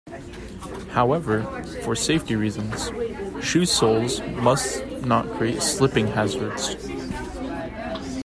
However, for safety reasons, shoe soles must not create slipping hazards.